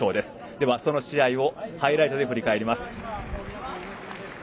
では、その試合をハイライトで振り返ります。